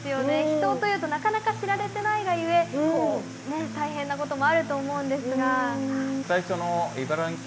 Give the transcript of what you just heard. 秘湯というとなかなか知られてないがゆえ大変なこともあると思うんですが。